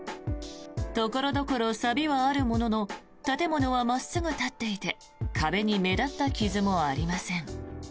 所々さびはあるものの建物は真っすぐ立っていて壁に目立った傷もありません。